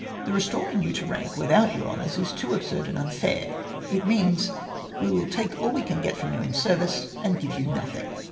" The restoring you to rank without your honours is too absurd and unfair. It means ' we will take all we can get from you in service, and give you nothing.'